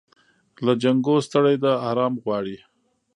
له جنګو ستړې ده آرام غواړي